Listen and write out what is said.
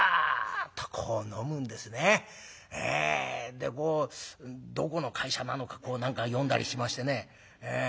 でどこの会社なのか何か読んだりしましてね。